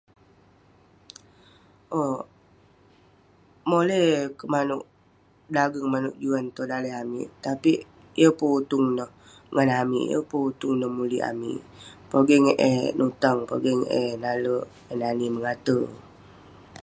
Owk, moley ayuk kek manouk dageng manouk juan tong daleh amik. Tapik yeng pun utung neh ngan amik, yeng pun utung neh mulik amik. Pogeng eh nutang, pogeng eh nale, eh nani mengater.